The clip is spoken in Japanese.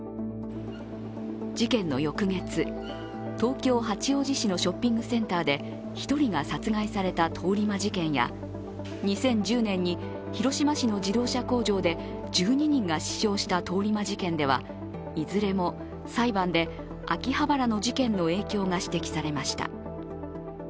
事件の翌月、東京・八王子市のショッピングセンターで、１人が殺害された通り魔事件や２０１０年に広島市の自動車工場で１２人が死傷した通り魔事件ではいずれも裁判で秋葉原の事件の影響が指摘されました。